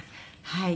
はい。